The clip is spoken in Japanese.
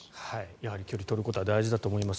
やはり距離を取ることは大事だと思います。